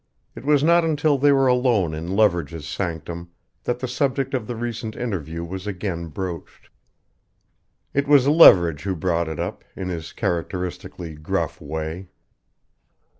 It was not until they were alone in Leverage's sanctum that the subject of the recent interview was again broached. It was Leverage who brought it up, in his characteristically gruff way.